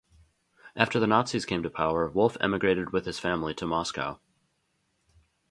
After the Nazis came to power, Wolf emigrated with his family to Moscow.